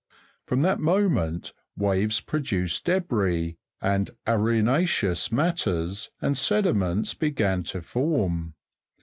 From that moment waves produced debris, and arena'ceous matters, and sediments began to form.